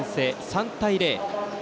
３対０。